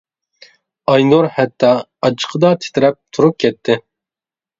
ئاينۇر ھەتتا ئاچچىقىدا تىترەپ تۇرۇپ كەتتى.